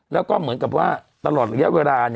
แล้วก็เหมือนกับว่าตลอดระยะเวลา